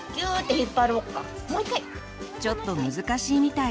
ちょっと難しいみたい。